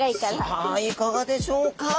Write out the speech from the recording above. さあいかがでしょうか。